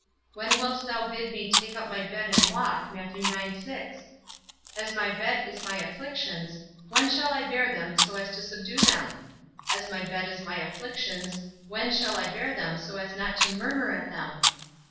When wilt thou bid me take up my bed and walk? As my bed is my affections, when shall I bear them so as to subdue them? As my bed is my afflictions, when shall I bear them so as not to murmur at them?